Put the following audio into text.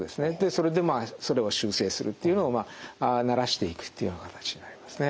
それでまあそれを修正するというのを慣らしていくという形になりますね。